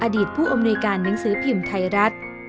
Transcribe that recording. อดีตผู้อำนวยการหนังสือพิมพ์ไทยรัฐ